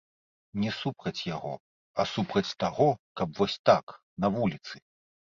Не супраць яго, а супраць таго, каб вось так, на вуліцы.